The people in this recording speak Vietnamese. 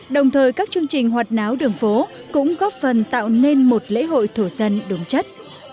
đồng thời các chương trình hoạt náo đường phố cũng góp phần tạo nên một lễ hội thổ dân đúng chất